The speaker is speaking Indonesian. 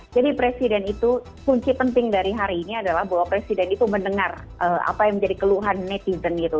jadi presiden itu kunci penting dari hari ini adalah bahwa presiden itu mendengar apa yang menjadi keluhan netizen gitu